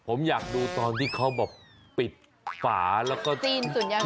ผมอยากดูตอนที่เขาผมแบบปิดฝาแล้วก็เชื่อมฺชาช